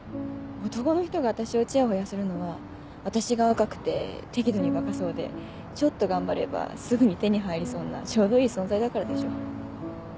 男の人が私をチヤホヤするのは私が若くて適度にバカそうでちょっと頑張ればすぐに手に入りそうなちょうどいい存在だからでしょ。